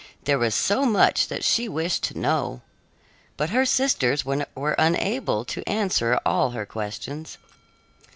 There was so much that she wished to know! but her sisters were unable to answer all her questions.